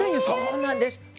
そうなんです。